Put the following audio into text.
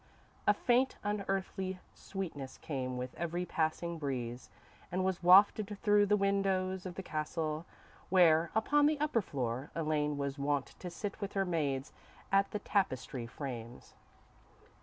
A faint, unearthly sweetness came with every passing breeze, and was wafted through the open windows of the Castle, where, upon the upper floor, Elaine was wont to sit with her maids at the tapestry frames.